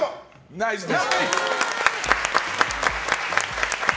ナイスです。